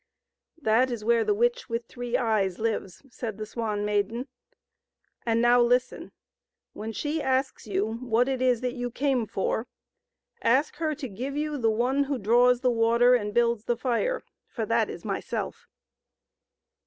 " That is where the witch with three eyes lives," said the Swan Maiden ;" and now listen : when she asks you what it is that you came for, ask her to give you the one who draws the water and builds the fire ; for that is myself."